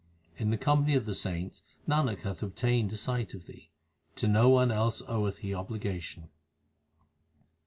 In the company of the saints Nanak hath obtained a sight of Thee ; to none else oweth he obligation.